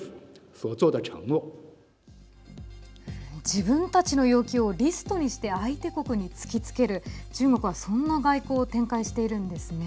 自分たちの要求をリストにして相手国に突きつける中国は、そんな外交を展開しているんですね。